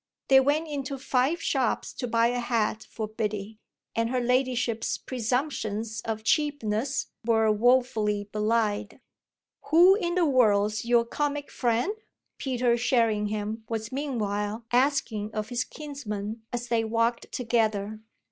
They went into five shops to buy a hat for Biddy, and her ladyship's presumptions of cheapness were woefully belied. "Who in the world's your comic friend?" Peter Sherringham was meanwhile asking of his kinsman as they walked together.